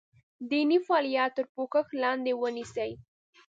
دیني فعالیت تر پوښښ لاندې ونیسي.